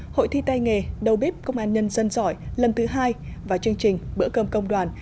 hội thi tay nghề đầu bếp công an nhân dân giỏi lần thứ hai và chương trình bữa cơm công đoàn